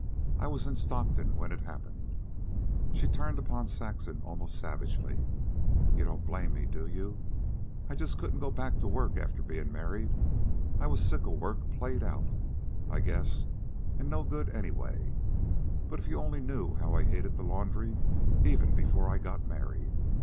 "I was in Stockton when it happened." She turned upon Saxon almost savagely. "You don't blame me, do you? I just couldn't go back to work after bein' married. I was sick of work. Played out, I guess, an' no good anyway. But if you only knew how I hated the laundry even before I got married.